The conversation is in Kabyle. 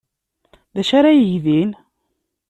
D acu ara yeg din?